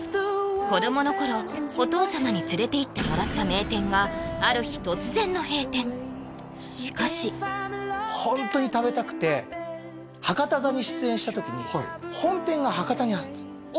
子供の頃お父様に連れていってもらった名店がある日突然の閉店しかしホントに食べたくて博多座に出演した時に本店が博多にあるんですああ